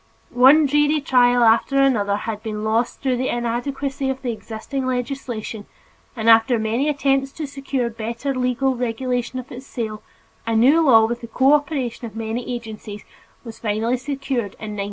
One dreary trial after another had been lost through the inadequacy of the existing legislation and after many attempts to secure better legal regulation of its sale, a new law with the cooperation of many agencies was finally secured in 1907.